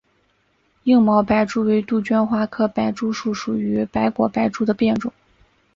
硬毛白珠为杜鹃花科白珠树属白果白珠的变种。